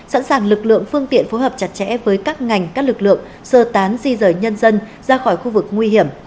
sẵn sàng lực lượng phương tiện phối hợp chặt chẽ với các ngành các lực lượng sơ tán di rời nhân dân ra khỏi khu vực nguy hiểm